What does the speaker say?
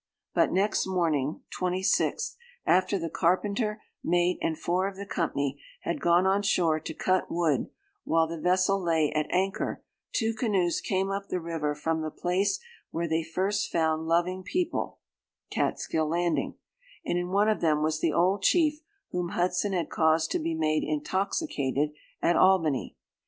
But, next morning (26th), after the carpenter, mate, and four of the company, had gone on shore to cut wood, while the vessel lay at anchor, two canoes came up the river from the place where they first found 'loving people,' (Catskill landing,) and in one of them was the old chief whom Hudson had caused to be made intoxicated at Albany.